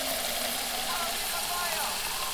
umri pia ni kihatarishi kingine ambacho